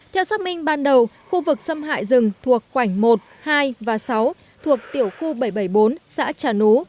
theo xác minh ban đầu khu vực xâm hại rừng thuộc khoảnh một hai và sáu thuộc tiểu khu bảy trăm bảy mươi bốn xã trà nú